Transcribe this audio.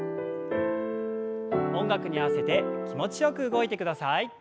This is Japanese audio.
音楽に合わせて気持ちよく動いてください。